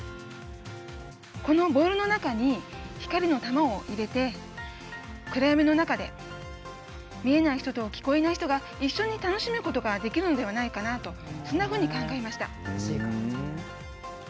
このボールの中に光の球を入れて暗闇の中で、見えない人と聞こえない人が一緒に楽しむことができるのではないかなとそんなふうに感じました。